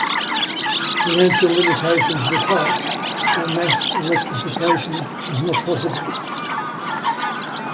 Financial limitations were tight, so mass electrification was not possible.